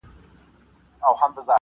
دا قضاوت یې په سپېڅلي زړه منلای نه سو-